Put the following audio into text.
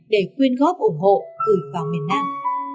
để quyên góp ủng hộ gửi vào miền nam